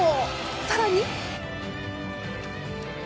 更に！